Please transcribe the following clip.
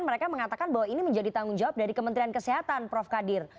mereka mengatakan bahwa ini menjadi tanggung jawab dari kementerian kesehatan prof kadir